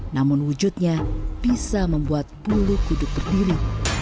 namun wujudnya bisa membuat bulu kuduk berdiri